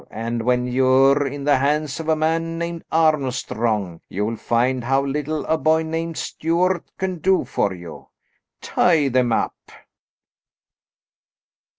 And when you're in the hands of a man named Armstrong, you'll find how little a boy named Stuart can do for you. Tie them up!"